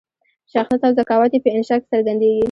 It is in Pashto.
شخصیت او ذکاوت یې په انشأ کې څرګندیږي.